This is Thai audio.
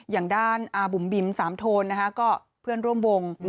อย่างด้านอาบุ๋มบิมสามโทนนะคะก็เพื่อนร่วมวง